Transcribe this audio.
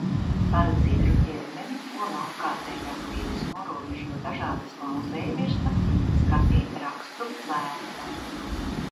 Par dzidru ķermeni, ko no apkārtējās vides norobežo dažādas lauzējvirsmas, skatīt rakstu lēca.